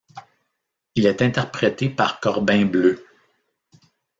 Il est interprété par Corbin Bleu.